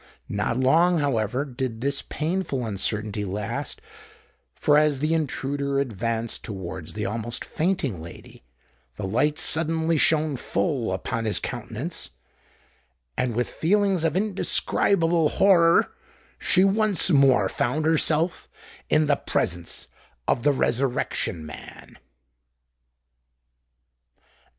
Not long, however, did this painful uncertainty last; for as the intruder advanced towards the almost fainting lady, the light suddenly shone full upon his countenance;—and, with feelings of indescribable horror, she once more found herself in the presence of the Resurrection Man.